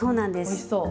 おいしそう。